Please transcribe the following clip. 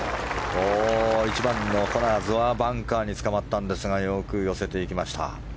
１番のコナーズはバンカーにつかまったんですがよく寄せていきました。